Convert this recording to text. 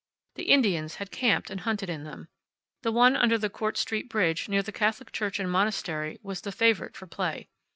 The Indians had camped and hunted in them. The one under the Court Street bridge, near the Catholic church and monastery, was the favorite for play.